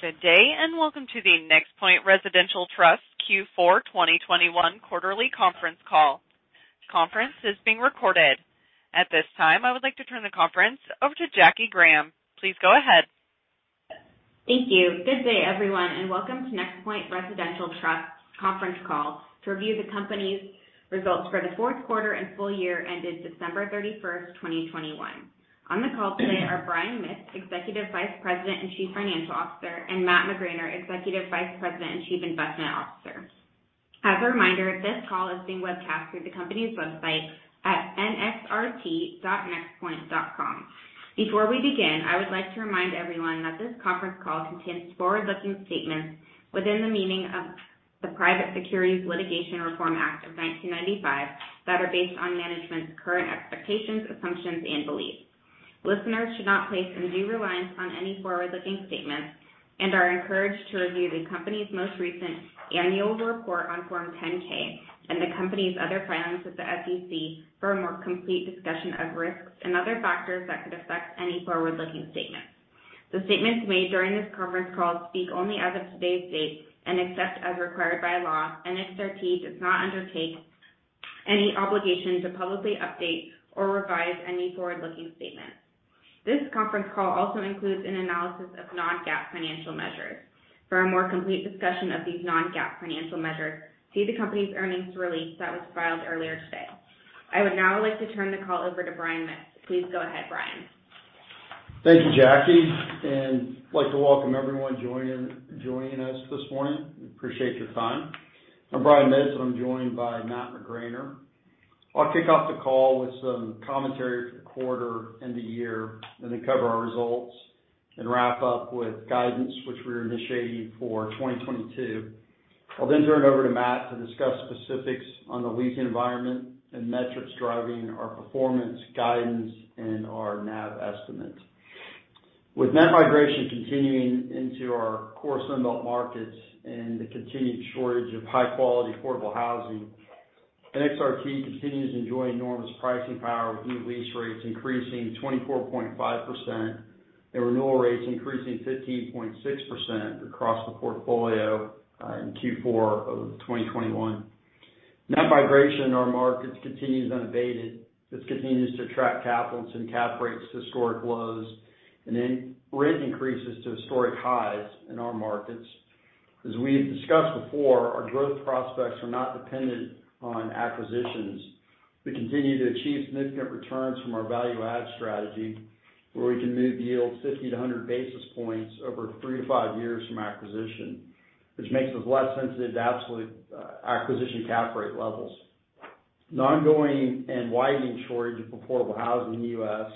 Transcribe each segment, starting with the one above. Good day, and welcome to the NexPoint Residential Trust Q4 2021 quarterly conference call. The conference is being recorded. At this time, I would like to turn the conference over to Kristen Griffith. Please go ahead. Thank you. Good day, everyone, and welcome to NexPoint Residential Trust conference call to review the company's results for the fourth quarter and full year ended December 31, 2021. On the call today are Brian Mitts, Executive Vice President and Chief Financial Officer, and Matt McGraner, Executive Vice President and Chief Investment Officer. As a reminder, this call is being webcast through the company's website at nxrt.nexpoint.com. Before we begin, I would like to remind everyone that this conference call contains forward-looking statements within the meaning of the Private Securities Litigation Reform Act of 1995 that are based on management's current expectations, assumptions, and beliefs. Listeners should not place undue reliance on any forward-looking statements and are encouraged to review the company's most recent annual report on Form 10-K, and the company's other filings with the SEC for a more complete discussion of risks and other factors that could affect any forward-looking statements. The statements made during this conference call speak only as of today's date, and except as required by law, NXRT does not undertake any obligation to publicly update or revise any forward-looking statements. This conference call also includes an analysis of Non-GAAP financial measures. For a more complete discussion of these Non-GAAP financial measures, see the company's earnings release that was filed earlier today. I would now like to turn the call over to Brian Mitts. Please go ahead, Brian. Thank you, Jackie Graham, and I'd like to welcome everyone joining us this morning. We appreciate your time. I'm Brian Mitts, and I'm joined by Matt McGraner. I'll kick off the call with some commentary for the quarter and the year, and then cover our results and wrap up with guidance, which we're initiating for 2022. I'll then turn it over to Matt to discuss specifics on the leasing environment and metrics driving our performance guidance and our NAV estimate. With net migration continuing into our core Sun Belt markets and the continued shortage of high-quality affordable housing, NXRT continues to enjoy enormous pricing power, with new lease rates increasing 24.5% and renewal rates increasing 15.6% across the portfolio in Q4 of 2021. Net migration in our markets continues unabated. This continues to attract capital to cap rates to historic lows and rent increases to historic highs in our markets. As we have discussed before, our growth prospects are not dependent on acquisitions. We continue to achieve significant returns from our value-add strategy, where we can move yields 50-100 basis points over 3-5 years from acquisition, which makes us less sensitive to absolute acquisition cap rate levels. The ongoing and widening shortage of affordable housing in the U.S.,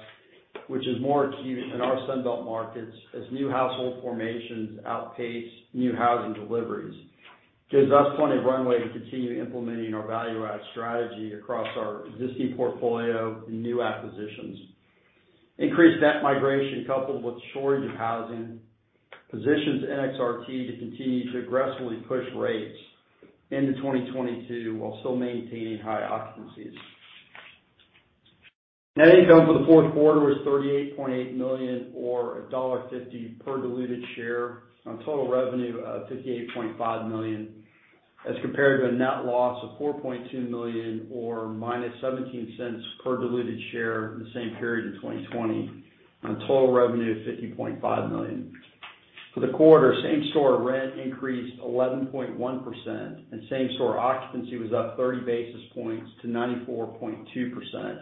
which is more acute in our Sun Belt markets as new household formations outpace new housing deliveries, gives us plenty of runway to continue implementing our value-add strategy across our existing portfolio and new acquisitions. Increased net migration coupled with shortage of housing positions NXRT to continue to aggressively push rates into 2022 while still maintaining high occupancies. Net income for the fourth quarter is $38.8 million or $1.50 per diluted share on total revenue of $58.5 million, as compared to a net loss of $4.2 million or -$0.17 per diluted share in the same period in 2020 on total revenue of $50.5 million. For the quarter, same store rent increased 11.1% and same store occupancy was up 30 basis points to 94.2%.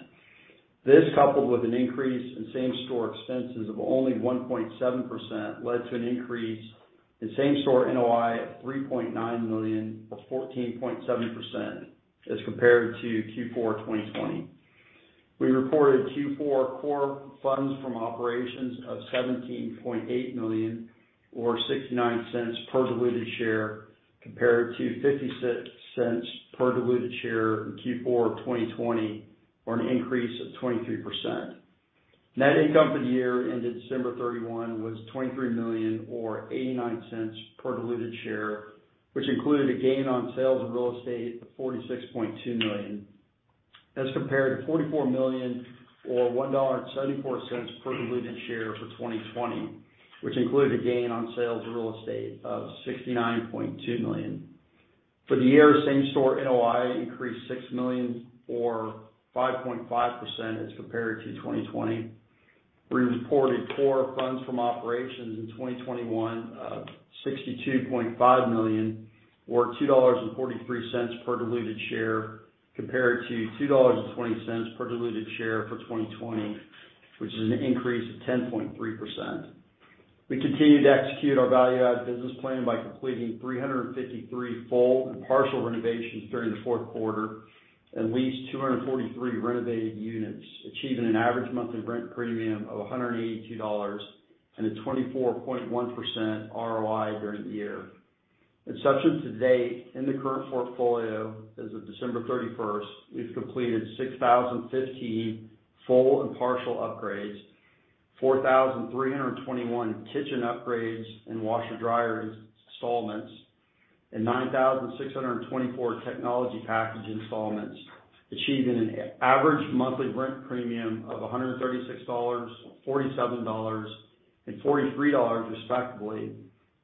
This, coupled with an increase in same store expenses of only 1.7%, led to an increase in same store NOI of $3.9 million, or 14.7% as compared to Q4 2020. We reported Q4 core funds from operations of $17.8 million or $0.69 per diluted share, compared to 56 cents per diluted share in Q4 of 2020 or an increase of 23%. Net income for the year ended December 31 was $23 million or $0.89 per diluted share, which included a gain on sales of real estate of $46.2 million, as compared to $44 million or $1.74 per diluted share for 2020, which included a gain on sales of real estate of $69.2 million. For the year, same store NOI increased $6 million or 5.5% as compared to 2020. We reported core funds from operations in 2021 of $62.5 million or $2.43 per diluted share, compared to $2.20 per diluted share for 2020, which is an increase of 10.3%. We continue to execute our value add business plan by completing 353 full and partial renovations during the fourth quarter and leased 243 renovated units, achieving an average monthly rent premium of $182 and a 24.1% ROI during the year. Since today, in the current portfolio as of December 31, we've completed 6,015 full and partial upgrades, 4,321 kitchen upgrades and washer/dryer installments and 9,624 technology package installments, achieving an average monthly rent premium of $136, $47, and $43 respectively,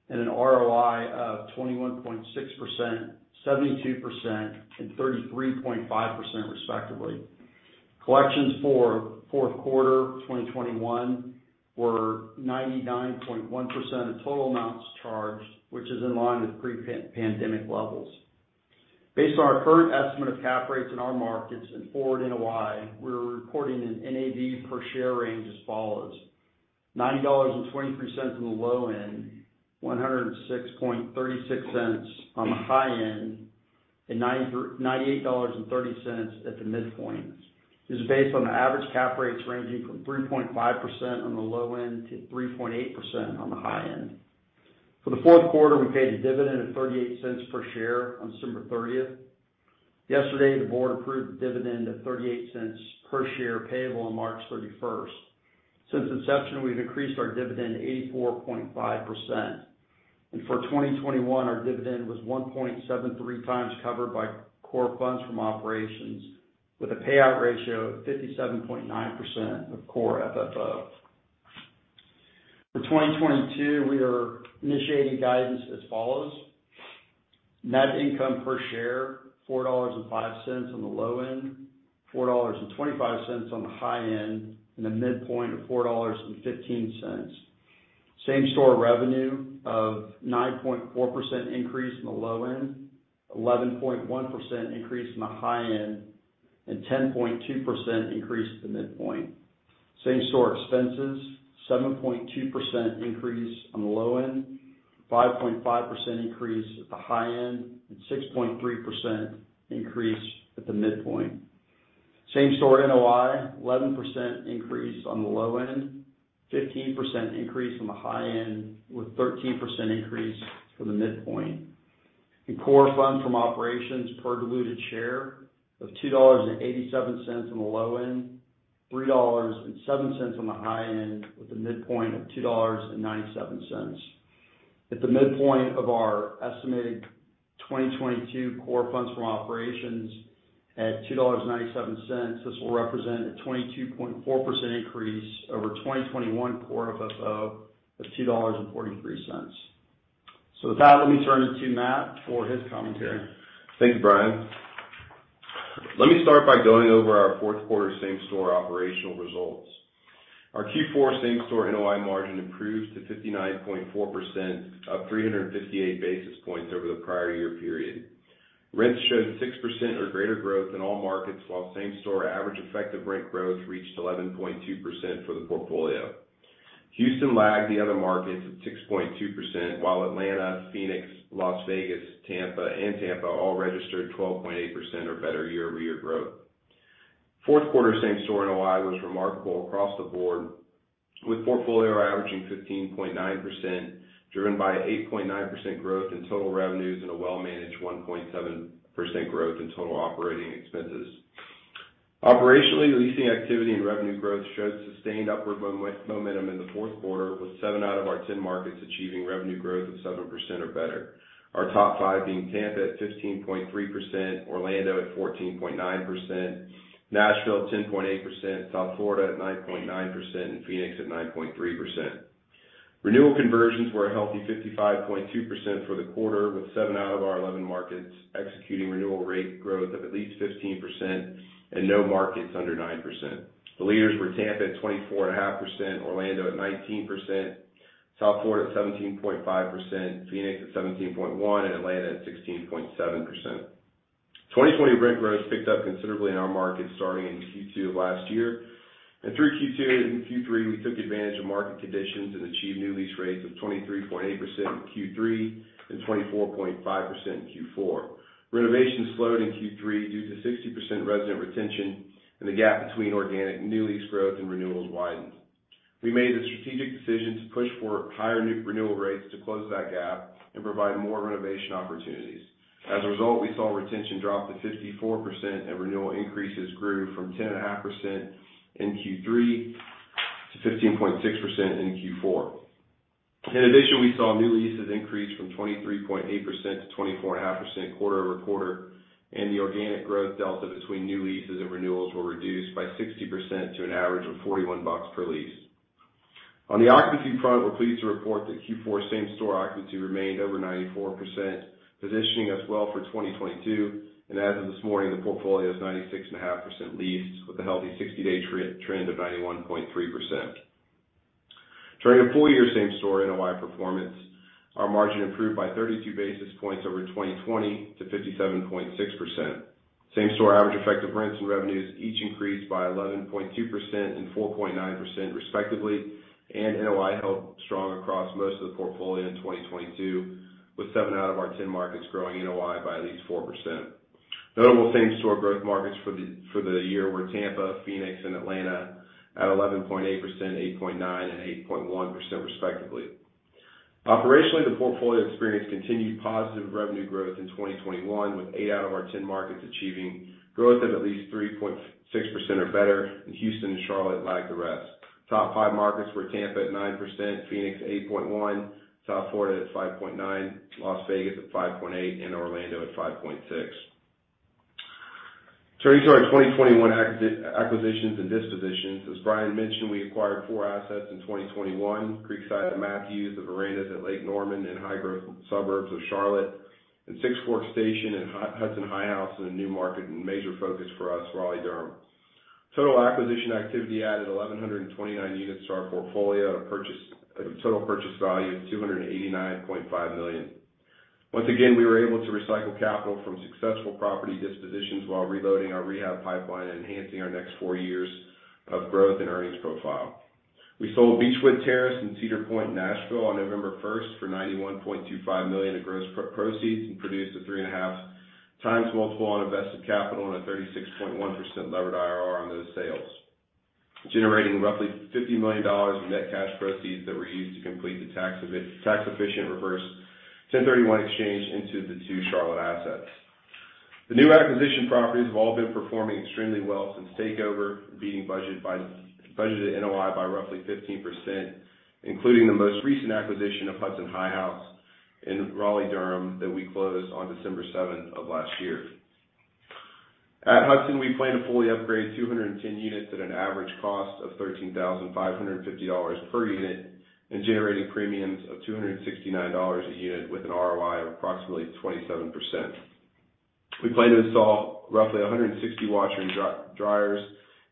and an ROI of 21.6%, 72%, and 33.5% respectively. Collections for fourth quarter 2021 were 99.1% of total amounts charged, which is in line with pre-pandemic levels. Based on our current estimate of cap rates in our markets and forward NOI, we're reporting an NAV per share range as follows $90.23 on the low end, $106.36 on the high end, and $98.30 at the midpoint. This is based on the average cap rates ranging from 3.5% on the low end to 3.8% on the high end. For the fourth quarter, we paid a dividend of $0.38 per share on December 30. Yesterday, the board approved the dividend of $0.38 per share payable on March 31. Since inception, we've increased our dividend 84.5%. For 2021, our dividend was 1.73x covered by core funds from operations with a payout ratio of 57.9% of core FFO. For 2022, we are initiating guidance as follows. Net income per share, $4.05 on the low end, $4.25 on the high end, and a midpoint of $4.15. Same-store revenue of 9.4% increase in the low end, 11.1% increase in the high end, and 10.2% increase at the midpoint. Same-store expenses, 7.2% increase on the low end, 5.5% increase at the high end, and 6.3% increase at the midpoint. Same-store NOI, 11% increase on the low end, 15% increase on the high end, with 13% increase for the midpoint. Our core funds from operations per diluted share of $2.87 on the low end, $3.07 on the high end, with a midpoint of $2.97. At the midpoint of our estimated 2022 core funds from operations at $2.97, this will represent a 22.4% increase over 2021 core FFO of $2.43. With that, let me turn it to Matt for his commentary. Thanks, Brian. Let me start by going over our fourth quarter same-store operational results. Our Q4 same-store NOI margin improved to 59.4%, up 358 basis points over the prior year period. Rents showed 6% or greater growth in all markets, while same-store average effective rent growth reached 11.2% for the portfolio. Houston lagged the other markets at 6.2%, while Atlanta, Phoenix, Las Vegas, Tampa all registered 12.8% or better year-over-year growth. Fourth quarter same-store NOI was remarkable across the board, with portfolio averaging 15.9%, driven by 8.9% growth in total revenues and a well-managed 1.7% growth in total operating expenses. Operationally, leasing activity and revenue growth showed sustained upward momentum in the fourth quarter, with seven out of our 10 markets achieving revenue growth of 7% or better. Our top five being Tampa at 15.3%, Orlando at 14.9%, Nashville at 10.8%, South Florida at 9.9%, and Phoenix at 9.3%. Renewal conversions were a healthy 55.2% for the quarter, with seven out of our 11 markets executing renewal rate growth of at least 15% and no markets under 9%. The leaders were Tampa at 24.5%, Orlando at 19%, South Florida at 17.5%, Phoenix at 17.1%, and Atlanta at 16.7%. 2020 rent growth picked up considerably in our markets starting in Q2 of last year. Through Q2 and Q3, we took advantage of market conditions and achieved new lease rates of 23.8% in Q3 and 24.5% in Q4. Renovation slowed in Q3 due to 60% resident retention, and the gap between organic new lease growth and renewals widened. We made the strategic decision to push for higher new renewal rates to close that gap and provide more renovation opportunities. As a result, we saw retention drop to 54%, and renewal increases grew from 10.5% in Q3 to 15.6% in Q4. In addition, we saw new leases increase from 23.8% to 24.5% quarter-over-quarter, and the organic growth delta between new leases and renewals were reduced by 60% to an average of $41 per lease. On the occupancy front, we're pleased to report that Q4 same-store occupancy remained over 94%, positioning us well for 2022. As of this morning, the portfolio is 96.5% leased with a healthy 60-day trend of 91.3%. During the full year same-store NOI performance, our margin improved by 32 basis points over 2020 to 57.6%. Same-store average effective rents and revenues each increased by 11.2% and 4.9% respectively, and NOI held strong across most of the portfolio in 2022, with seven out of our ten markets growing NOI by at least 4%. Notable same-store growth markets for the year were Tampa, Phoenix, and Atlanta at 11.8%, 8.9%, and 8.1% respectively. Operationally, the portfolio experienced continued positive revenue growth in 2021, with eight out of our 10 markets achieving growth of at least 3.6% or better, and Houston and Charlotte lagged the rest. Top five markets were Tampa at 9%, Phoenix 8.1%, South Florida at 5.9%, Las Vegas at 5.8%, and Orlando at 5.6%. Turning to our 2021 acquisitions and dispositions. As Brian mentioned, we acquired four assets in 2021. Creekside at Matthews, The Verandas at Lake Norman in high-growth suburbs of Charlotte, and Six Forks Station and Hudson High House in a new market and major focus for us, Raleigh-Durham. Total acquisition activity added 1,129 units to our portfolio at a total purchase value of $289.5 million. Once again, we were able to recycle capital from successful property dispositions while reloading our rehab pipeline and enhancing our next 4 years of growth and earnings profile. We sold Beechwood Terrace and Cedar Pointe in Nashville on November 1 for $91.25 million in gross proceeds, and produced a 3.5x multiple on invested capital and a 36.1% levered IRR on those sales, generating roughly $50 million in net cash proceeds that were used to complete the tax-efficient reverse 1031 exchange into the two Charlotte assets. The new acquisition properties have all been performing extremely well since takeover, beating budgeted NOI by roughly 15%, including the most recent acquisition of Hudson High House in Raleigh-Durham that we closed on December 7 of last year. At Hudson, we plan to fully upgrade 210 units at an average cost of $13,550 per unit, and generating premiums of $269 a unit with an ROI of approximately 27%. We plan to install roughly 160 washer and dryers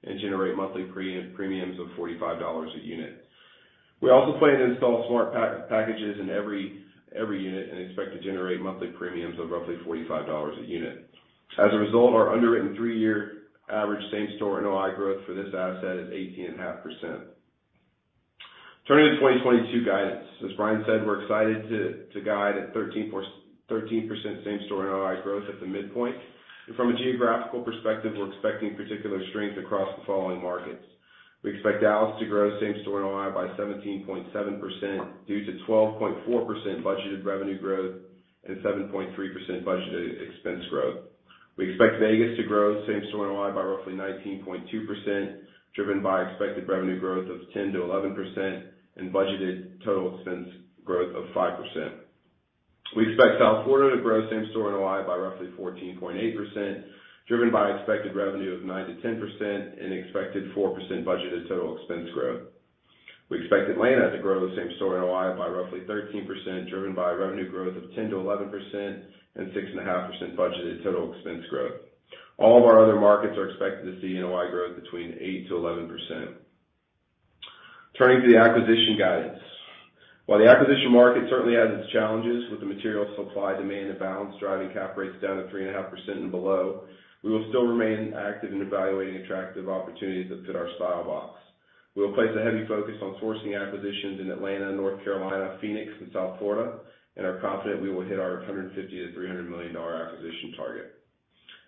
and generate monthly premiums of $45 a unit. We also plan to install smart packages in every unit, and expect to generate monthly premiums of roughly $45 a unit. As a result, our underwritten 3 year average same-store NOI growth for this asset is 18.5%. Turning to the 2022 guidance. As Brian said, we're excited to guide at 13% same-store NOI growth at the midpoint. From a geographical perspective, we're expecting particular strength across the following markets. We expect Dallas to grow same-store NOI by 17.7% due to 12.4% budgeted revenue growth and 7.3% budgeted expense growth. We expect Vegas to grow same-store NOI by roughly 19.2%, driven by expected revenue growth of 10%-11% and budgeted total expense growth of 5%. We expect South Florida to grow same-store NOI by roughly 14.8%, driven by expected revenue of 9%-10% and expected 4% budgeted total expense growth. We expect Atlanta to grow same-store NOI by roughly 13%, driven by revenue growth of 10%-11% and 6.5% budgeted total expense growth. All of our other markets are expected to see NOI growth between 8%-11%. Turning to the acquisition guidance. While the acquisition market certainly has its challenges with the material supply-demand imbalance driving cap rates down to 3.5% and below, we will still remain active in evaluating attractive opportunities that fit our style box. We'll place a heavy focus on sourcing acquisitions in Atlanta, North Carolina, Phoenix, and South Florida, and are confident we will hit our $150 million-$300 million acquisition target.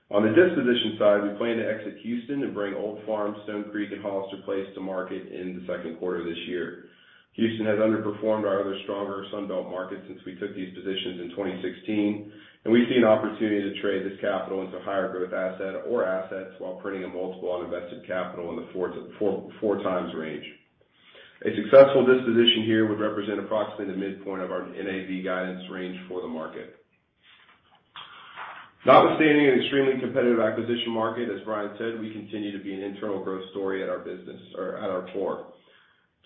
On the disposition side, we plan to exit Houston and bring Old Farm, Stone Creek, and Hollister Place to market in the second quarter this year. Houston has underperformed our other stronger Sun Belt markets since we took these positions in 2016, and we see an opportunity to trade this capital into a higher growth asset or assets while printing a multiple on invested capital in the 4x-4.4x range. A successful disposition here would represent approximately the midpoint of our NAV guidance range for the market. Notwithstanding an extremely competitive acquisition market, as Brian said, we continue to be an internal growth story at our business or at our core.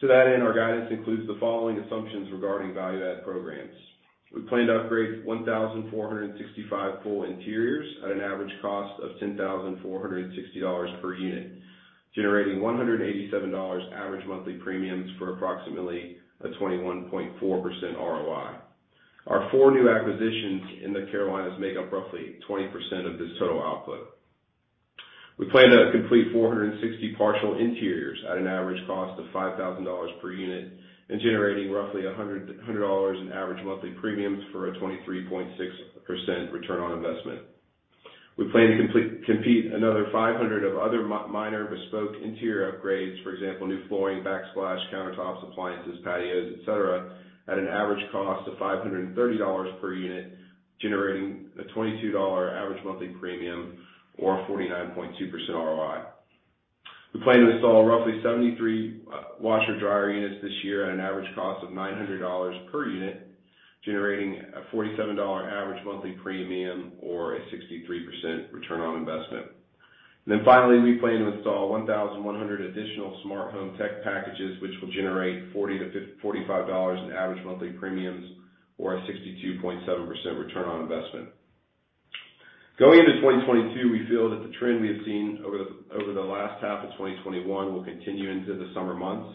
To that end, our guidance includes the following assumptions regarding value add programs. We plan to upgrade 1,465 full interiors at an average cost of $10,460 per unit, generating $187 average monthly premiums for approximately a 21.4% ROI. Our four new acquisitions in the Carolinas make up roughly 20% of this total output. We plan to complete 460 partial interiors at an average cost of $5,000 per unit and generating roughly $100 in average monthly premiums for a 23.6% return on investment. We plan to complete another 500 of other minor bespoke interior upgrades, for example, new flooring, backsplash, countertops, appliances, patios, et cetera, at an average cost of $530 per unit, generating a $22 average monthly premium or a 49.2% ROI. We plan to install roughly 73 washer/dryer units this year at an average cost of $900 per unit, generating a $47 average monthly premium or a 63% return on investment. Finally, we plan to install 1,100 additional smart home tech packages, which will generate $40-$45 in average monthly premiums or a 62.7% return on investment. Going into 2022, we feel that the trend we have seen over the last half of 2021 will continue into the summer months.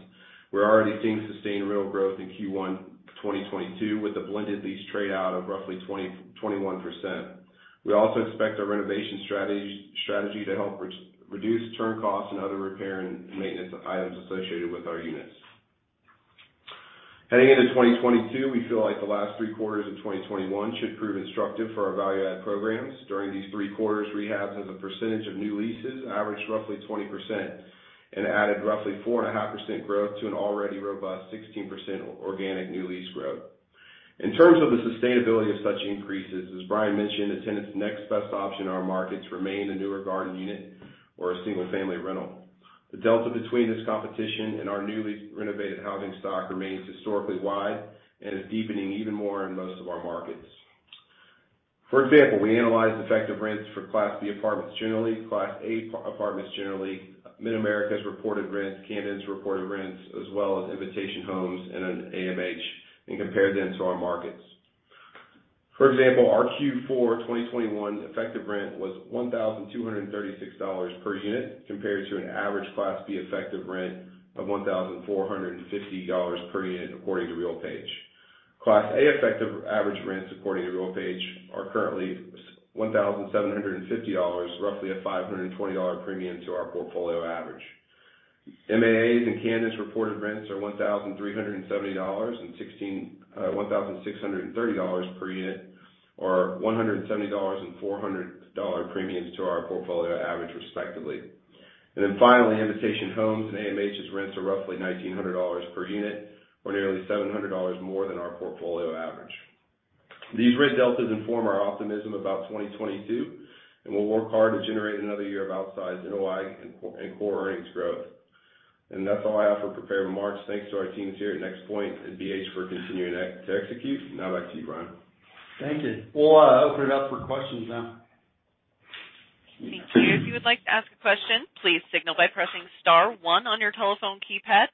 We're already seeing sustained rental growth in Q1 2022 with a blended lease trade out of roughly 21%. We also expect our renovation strategy to help reduce turn costs and other repair and maintenance items associated with our units. Heading into 2022, we feel like the last three quarters of 2021 should prove instructive for our value add programs. During these three quarters, rehabs as a percentage of new leases averaged roughly 20% and added roughly 4.5% growth to an already robust 16% organic new lease growth. In terms of the sustainability of such increases, as Brian mentioned, the tenant's next best option in our markets remain a newer garden unit or a single-family rental. The delta between this competition and our newly renovated housing stock remains historically wide and is deepening even more in most of our markets. For example, we analyzed effective rents for Class B apartments generally, Class A apartments generally, Mid-America's reported rents, Camden's reported rents, as well as Invitation Homes and then AMH, and compared them to our markets. For example, our Q4 2021 effective rent was $1,236 per unit, compared to an average Class B effective rent of $1,450 per unit, according to RealPage. Class A effective average rents, according to RealPage, are currently one thousand seven hundred and fifty dollars, roughly a $520 dollar premium to our portfolio average. MAA's and Camden's reported rents are $1,370 and $1,630 per unit, or $170 and $400 dollar premiums to our portfolio average respectively. Finally, Invitation Homes and AMH's rents are roughly $1,900 per unit or nearly $700 more than our portfolio average. These rent deltas inform our optimism about 2022, and we'll work hard to generate another year of outsized NOI and core earnings growth. That's all I have for prepared remarks. Thanks to our teams here at NexPoint and BH for continuing to execute. Now back to you, Brian. Thank you. We'll open it up for questions now. Thank you. If you would like to ask a question, please signal by pressing star one on your telephone keypad.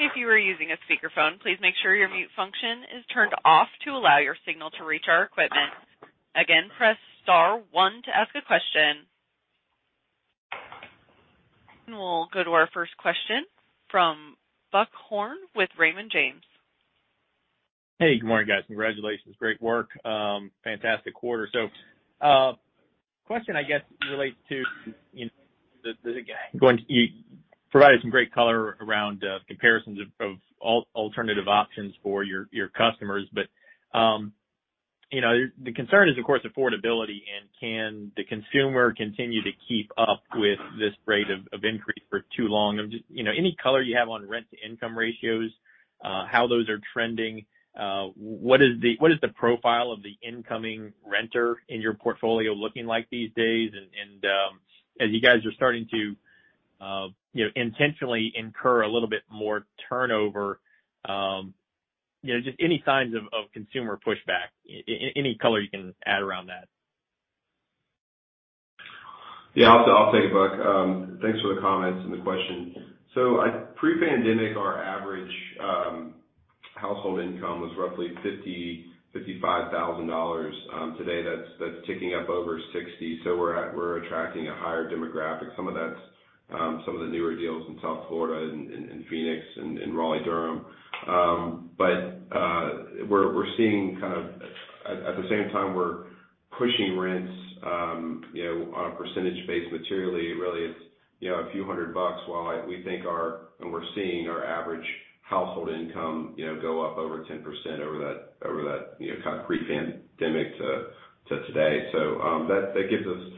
If you are using a speaker phone, please make sure your mute function is turned off to allow your signal to reach our equipment. Again, press star one to ask a question. We'll go to our first question from Buck Horne with Raymond James. Hey, good morning, guys. Congratulations. Great work. Fantastic quarter. Question, I guess, relates to the. Again, you provided some great color around comparisons of alternative options for your customers. You know, the concern is, of course, affordability, and can the consumer continue to keep up with this rate of increase for too long? Just, you know, any color you have on rent-to-income ratios, how those are trending, what is the profile of the incoming renter in your portfolio looking like these days? You guys are starting to, you know, intentionally incur a little bit more turnover, just any signs of consumer pushback, any color you can add around that. Yeah. I'll take it, Buck. Thanks for the comments and the question. Pre-pandemic, our average household income was roughly $55,000. Today, that's ticking up over $60,000. We're attracting a higher demographic. Some of that's some of the newer deals in South Florida and Phoenix and Raleigh-Durham. But we're seeing. At the same time, we're pushing rents, you know, on a percentage basis materially, really it's, you know, a few hundred bucks. While we think our. We're seeing our average household income, you know, go up over 10% over that, you know, kind of pre-pandemic to today. That gives us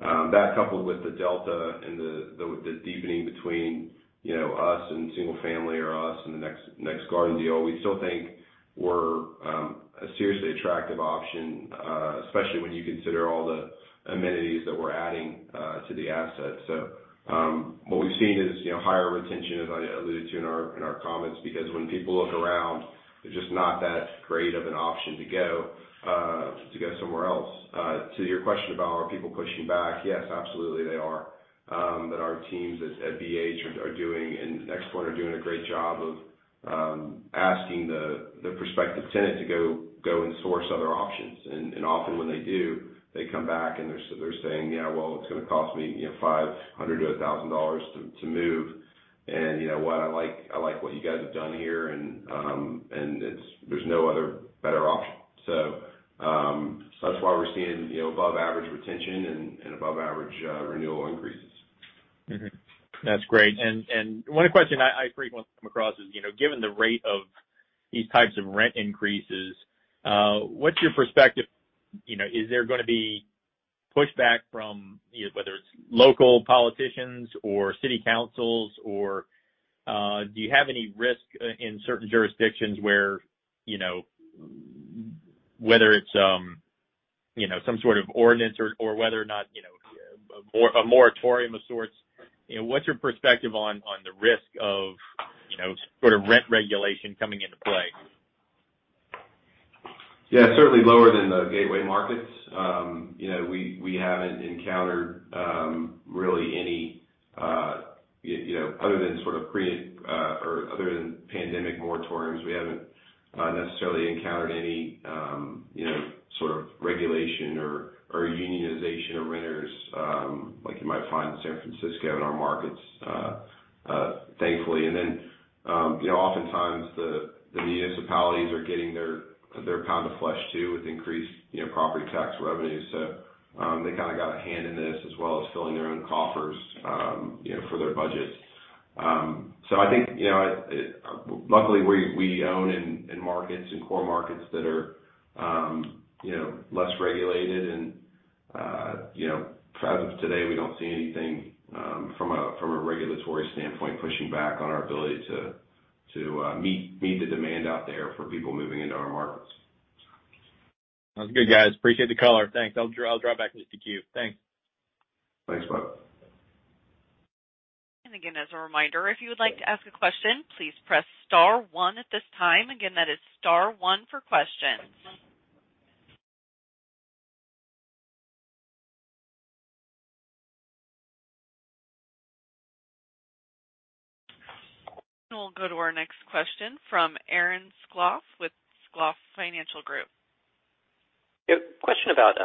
that coupled with the delta and the deepening between, you know, us and single family or us and the next garden deal. We still think we're a seriously attractive option, especially when you consider all the amenities that we're adding to the asset. What we've seen is, you know, higher retention, as I alluded to in our comments, because when people look around, there's just not that great of an option to go somewhere else. To your question about are people pushing back, yes, absolutely, they are. Our teams at BH and NexPoint are doing a great job of asking the prospective tenant to go and source other options. Often when they do, they come back and they're saying, "Yeah, well, it's gonna cost me, you know, $500-$1,000 to move. You know what? I like what you guys have done here. There's no other better option." That's why we're seeing, you know, above average retention and above average renewal increases. That's great. One question I frequently come across is, you know, given the rate of these types of rent increases, what's your perspective? You know, is there gonna be pushback from, you know, whether it's local politicians or City Councils or, do you have any risk in certain jurisdictions where, you know, whether it's, you know, some sort of ordinance or whether or not, you know, a moratorium of sorts, you know, what's your perspective on, the risk of, you know, sort of rent regulation coming into play? Yeah, certainly lower than the gateway markets. You know, we haven't encountered really any you know other than pandemic moratoriums, we haven't necessarily encountered any you know sort of regulation or unionization of renters like you might find in San Francisco in our markets, thankfully. You know, oftentimes the municipalities are getting their pound of flesh, too, with increased you know property tax revenues. They kinda got a hand in this as well as filling their own coffers you know for their budgets. I think, you know, luckily, we own in markets, in core markets that are, you know, less regulated and, you know, as of today, we don't see anything from a regulatory standpoint pushing back on our ability to meet the demand out there for people moving into our markets. Sounds good, guys. Appreciate the call. Thanks. I'll drop back into the queue. Thanks. Thanks, bud. Again, as a reminder, if you would like to ask a question, please press star one at this time. Again, that is star one for questions. We'll go to our next question from Aaron Hecht with Citizens. Yep. Question about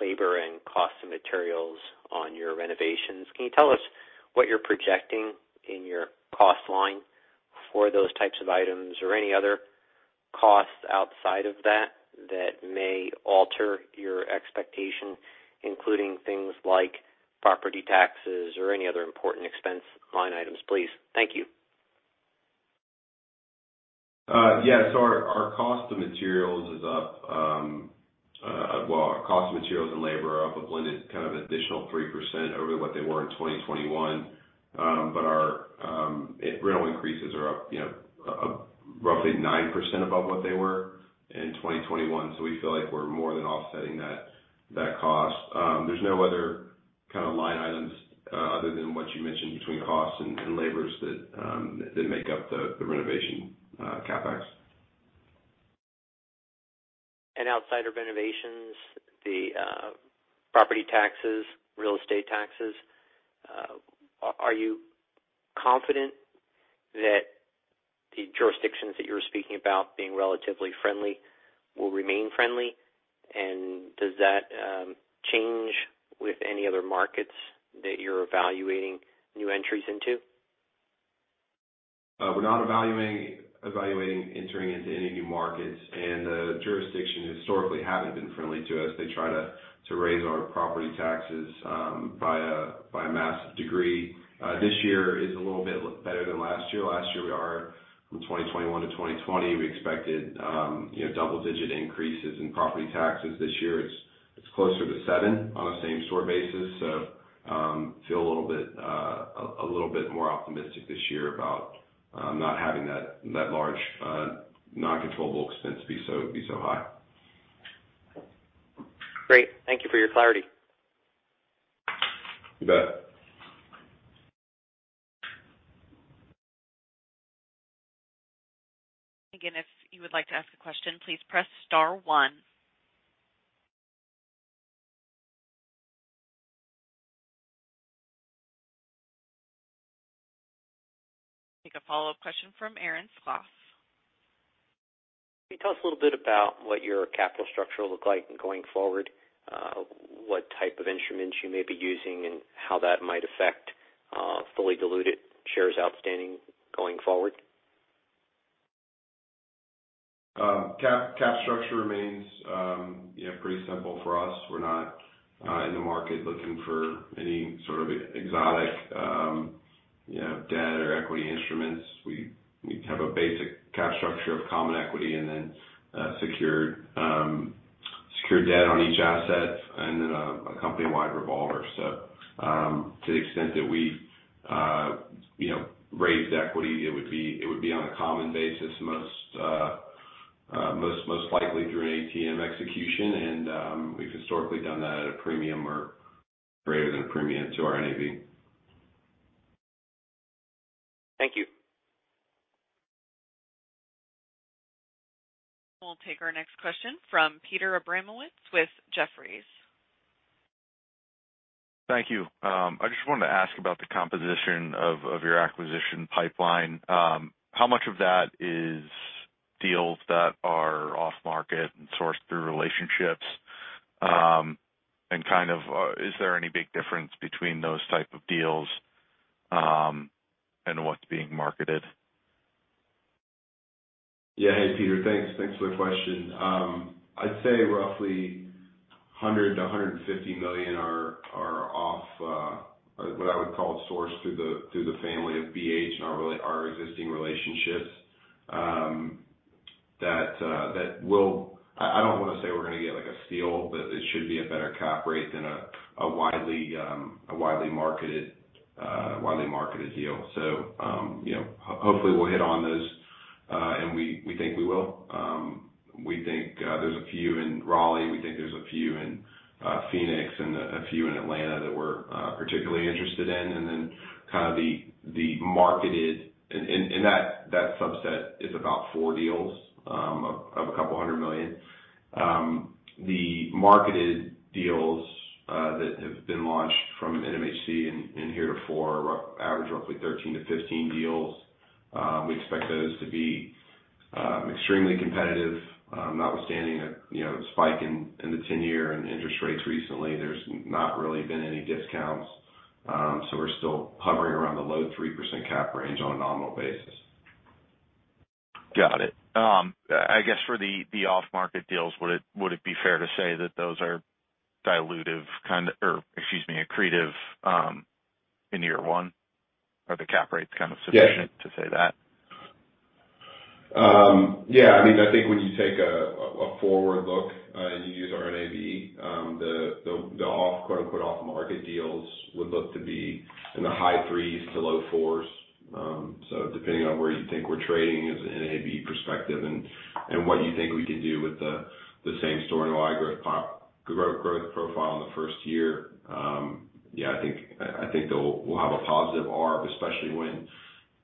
labor and cost of materials on your renovations. Can you tell us what you're projecting in your cost line for those types of items or any other costs outside of that that may alter your expectation, including things like property taxes or any other important expense line items, please? Thank you. Yeah, our cost of materials is up. Well, our cost of materials and labor are up a blended kind of additional 3% over what they were in 2021. Our rental increases are up, you know, roughly 9% above what they were in 2021. We feel like we're more than offsetting that cost. There's no other kind of line items other than what you mentioned between costs and labors that make up the renovation CapEx. Outside of renovations, the property taxes, real estate taxes, are you confident that the jurisdictions that you're speaking about being relatively friendly will remain friendly? Does that change with any other markets that you're evaluating new entries into? We're not evaluating entering into any new markets, and the jurisdictions historically haven't been friendly to us. They try to raise our property taxes by a massive degree. This year is a little bit better than last year. Last year, from 2020 to 2021, we expected double-digit increases in property taxes. This year it's closer to 7% on a same-store basis. We feel a little bit more optimistic this year about not having that large non-controllable expense be so high. Great. Thank you for your clarity. You bet. Again, if you would like to ask a question, please press star one. Take a follow-up question from Aaron Hecht. Can you tell us a little bit about what your capital structure look like going forward, what type of instruments you may be using and how that might affect, fully diluted shares outstanding going forward? Capital structure remains, you know, pretty simple for us. We're not in the market looking for any sort of exotic, you know, debt or equity instruments. We have a basic capital structure of common equity and then secured debt on each asset and then a company-wide revolver. To the extent that we, you know, raised equity, it would be on a common basis most likely through an ATM execution. We've historically done that at a premium or greater than a premium to our NAV. Thank you. We'll take our next question from Peter Abramowitz with Jefferies. Thank you. I just wanted to ask about the composition of your acquisition pipeline. How much of that is deals that are off market and sourced through relationships? Kind of, is there any big difference between those type of deals and what's being marketed? Yeah. Hey, Peter. Thanks for the question. I'd say roughly $100 million-$150 million are off what I would call sourced through the family of BH and our existing relationships. That will. I don't wanna say we're gonna get like a steal, but it should be a better cap rate than a widely marketed deal. You know, hopefully we'll hit on those and we think we will. We think there's a few in Raleigh. We think there's a few in Phoenix and a few in Atlanta that we're particularly interested in. Then kind of the marketed. That subset is about four deals of a couple hundred million. The marketed deals that have been launched from NMHC in heretofore average roughly 13-15 deals. We expect those to be extremely competitive, notwithstanding that, you know, spike in the 10-year and interest rates recently. There's not really been any discounts. We're still hovering around the low 3% cap range on a nominal basis. Got it. I guess for the off-market deals, would it be fair to say that those are dilutive kind of or excuse me, accretive, in year one? Are the cap rates kind of sufficient- Yes. to say that? Yeah, I mean, I think when you take a forward look and you use our NAV, the off-market deals would look to be in the high threes to low fours. Depending on where you think we're trading as an NAV perspective and what you think we could do with the same-store NOI growth profile in the first year, yeah, I think we'll have a positive ARV, especially when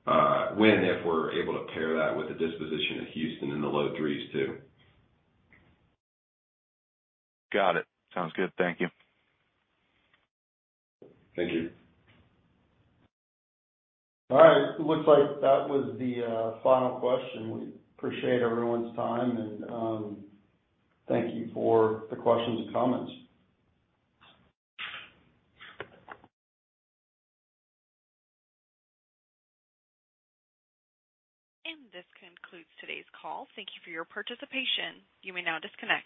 and if we're able to pair that with the disposition of Houston in the low threes too. Got it. Sounds good. Thank you. Thank you. All right. It looks like that was the final question. We appreciate everyone's time, and thank you for the questions and comments. This concludes today's call. Thank you for your participation. You may now disconnect.